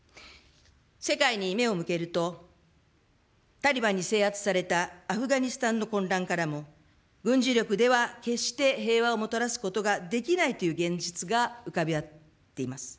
世界に目を向けると、タリバンに制圧されたアフガニスタンの混乱からも、軍事力では決して平和をもたらすことができないという現実が浮かび上がっています。